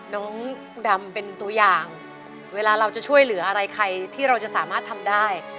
น้องดำเป็นตัวอย่างเวลาเราจะช่วยเหลืออะไรใครที่เราจะสามารถทำได้